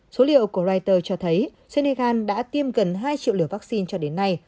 số liệu của reuters cho thấy senegal đã tiêm gần hai triệu liều vaccine cho đến nay